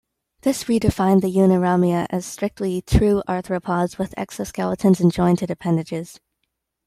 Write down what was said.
This redefined the Uniramia as strictly "true" arthropods with exoskeletons and jointed appendages.